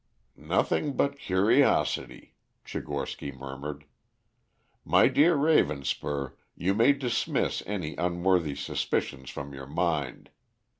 "Nothing but curiosity," Tchigorsky murmured. "My dear Ravenspur, you may dismiss any unworthy suspicions from your mind.